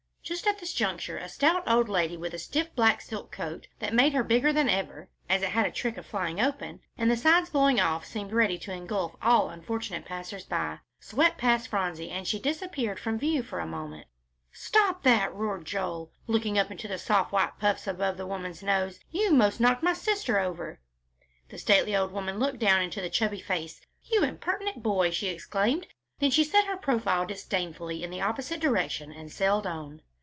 Just at this juncture a stout old lady, with a stiff black silk coat that made her bigger than ever, as it had a trick of flying open, and the sides blowing off seemed ready to engulf all unfortunate passers by, swept past Phronsie, and she disappeared from view for a moment. "Stop that!" roared Joel, looking up into the soft white puffs above the woman's nose; "you 'most knocked my sister over." The stately old woman looked down into the chubby face. "You impertinent boy!" she exclaimed, then set her profile disdainfully in the opposite direction and sailed on.